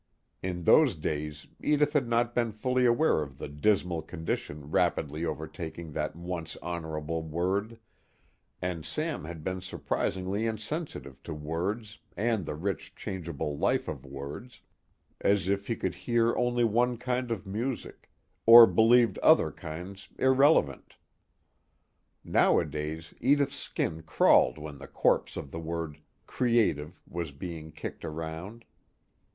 In those days Edith had not been fully aware of the dismal condition rapidly overtaking that once honorable word, and Sam had been surprisingly insensitive to words and the rich changeable life of words, as if he could hear only one kind of music, or believed other kinds irrelevant. Nowadays Edith's skin crawled when the corpse of the word "creative" was being kicked around.